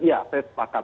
ya saya sepakat